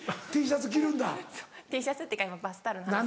Ｔシャツっていうか今バスタオルの話。